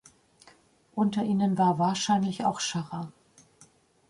Unter ihnen war wahrscheinlich auch Sciarra.